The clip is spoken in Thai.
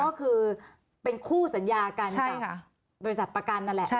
ก็คือเป็นคู่สัญญากันกับบริษัทประกันนั่นแหละ